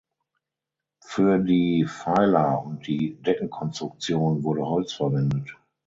Für die Pfeiler und die Deckenkonstruktion wurde Holz verwendet.